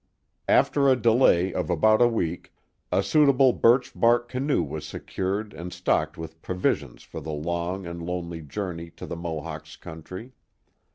After a delay of about a week, a suitable birch bark canoe was secured and stocked with provisions for the long and lonely journey to the Mohawks' country.